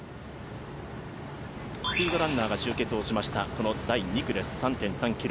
スピードランナーが集結しました第２区です、３．３ｋｍ。